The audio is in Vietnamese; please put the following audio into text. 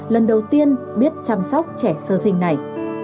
lần đầu tiên biết chăm sóc trẻ sơ sinh này